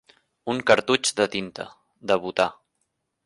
Un cartutx de tinta, de butà.